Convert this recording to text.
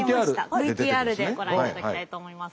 ＶＴＲでご覧いただきたいと思います。